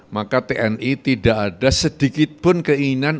maka tni tidak ada sedikitpun keinginan